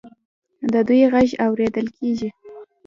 د دوی غږ اوریدل کیږي.